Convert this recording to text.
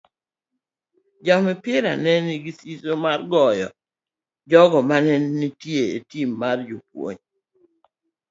Joopira ne nigi siso mar ng'eyo jogo mane nitie e tim mar japuonj.